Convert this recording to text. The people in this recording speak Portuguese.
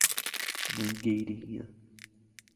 Mangueirinha